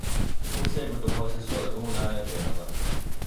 In seguito fu assessore comunale a Genova.